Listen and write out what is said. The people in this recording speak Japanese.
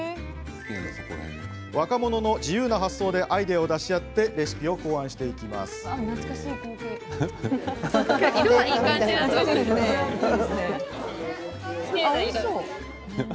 若者の自由な発想でアイデアを出し合ってレシピを考案していきます。